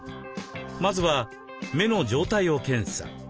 まずは目の状態を検査。